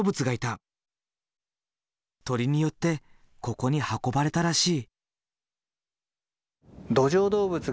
鳥によってここに運ばれたらしい。